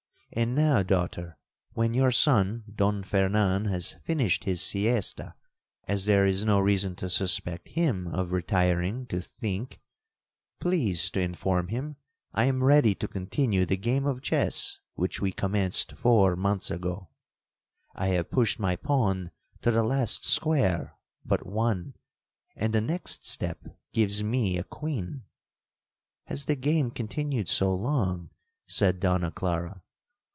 And now, daughter, when your son Don Fernan has finished his siesta,—as there is no reason to suspect him of retiring to think,—please to inform him I am ready to continue the game of chess which we commenced four months ago. I have pushed my pawn to the last square but one, and the next step gives me a queen.'—'Has the game continued so long?' said Donna Clara.